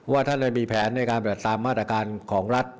ว่าท่านจะได้มีแผนในการตามมาตรการของรัฐ